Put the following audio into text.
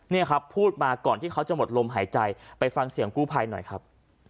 นี่ครับพูดมาก่อนที่เขาจะหมดลมหายใจไปฟังเสียงกู้ภัยหน่อยครับ